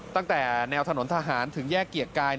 ตั้งแต่แนวถนนทหารถึงแยกเกียรติกาย